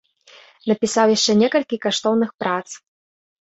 Напісаў яшчэ некалькі каштоўных прац.